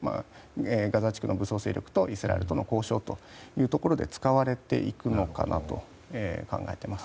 ガザ地区の武装勢力とイスラエルとの交渉というところで使われていくのかなと考えています。